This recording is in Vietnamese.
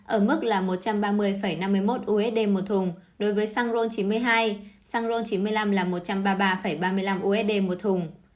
ở mức là một trăm ba mươi năm mươi một usd một thùng đối với xăng ron chín mươi hai xăng ron chín mươi năm là một trăm ba mươi ba ba mươi năm usd một thùng